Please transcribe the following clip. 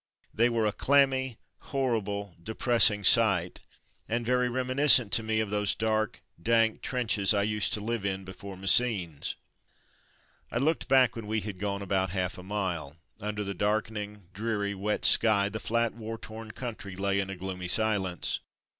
They were a clammy, horrible, depressing sight, and very reminiscent to me of those dark, dank ditches I used to live in before Messines. I looked back when we had gone about half a mile; — under the darkening, dreary, wet sky the flat war torn country lay in gloomy silence.